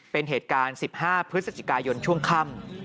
เป็นเหตุการณ์๑๕พฤศจิกายนช่วงค่ำ